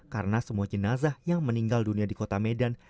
karena semua jenazah yang meninggal dunia di kota medan